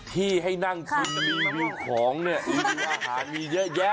ที่ให้นั่งกินจะมีมะม่วงของเนี่ยรีวิวอาหารมีเยอะแยะ